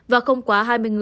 và không quá hai mươi